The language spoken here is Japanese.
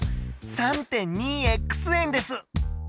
３．２円です！